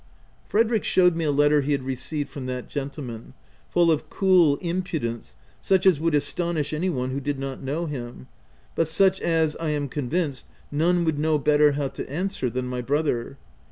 OF WILDFELL HALL. 127 Frederick showed me a letter he had received from that gentleman, full of cool impudence such as would astonish any one who did not know him, but such as, I am convinced, none w r ould know better how to answer than my brother.